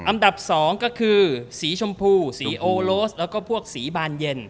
อันดับ๒ก็คือสีชมพูสีโอโลสแล้วก็พวกสีบานเย็น